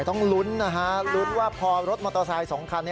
ต้องลุ้นนะฮะลุ้นว่าพอรถมอเตอร์ไซค์๒คัน